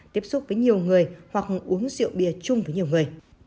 tiếp xúc với nhiều người hoặc uống rượu bia chung với nhiều người